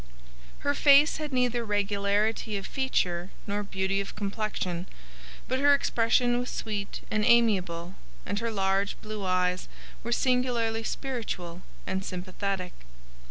Her face had neither regularity of feature nor beauty of complexion, but her expression was sweet and amiable, and her large blue eyes were singularly spiritual and sympathetic.